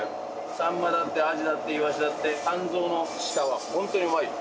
サンマだって、アジだってイワシだって肝臓の下は、本当にうまいよ。